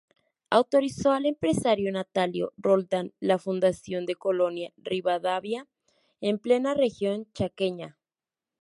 Autorizó al empresario Natalio Roldán la fundación de Colonia Rivadavia en plena región chaqueña.